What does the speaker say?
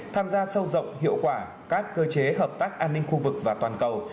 tham gia sâu rộng hiệu quả các cơ chế hợp tác an ninh khu vực và toàn cầu